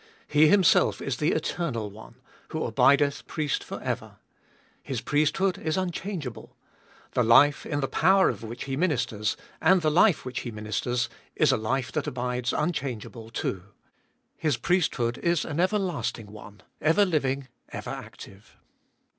He Himself is the Eternal One, who abideth Priest for ever. His priesthood is unchangeable ; the life, in the power of which He ministers, and the life which He ministers, is a life that abides unchangeable too. His priesthood is an everlasting one, ever living, ever active.